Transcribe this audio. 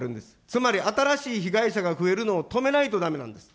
つまり新しい被害者が増えるのを止めないとだめなんです。